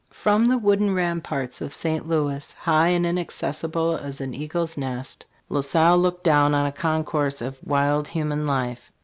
From the wooden ramparts of St. Louis, high and inaccessible as an eagle's nest, ... La Salle looked down on a concourse of wild human life.